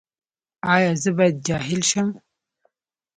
ایا زه باید جاهل شم؟